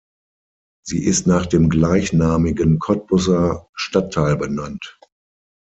Sie ist nach dem gleichnamigen Cottbuser Stadtteil benannt.